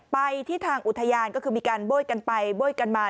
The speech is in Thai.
ไปที่ทางอุทยานก็คือมีการโบ้ยกันไปโบ้ยกันมา